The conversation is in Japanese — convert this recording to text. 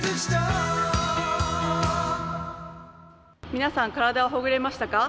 皆さん、体はほぐれましたか？